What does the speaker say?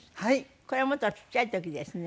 これはもっとちっちゃい時ですね。